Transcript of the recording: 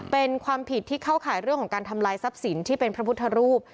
เป็นความผิดที่เข้าข่ายเรื่องของการทำลายทรัพย์สินที่เป็นพระพุทธรูป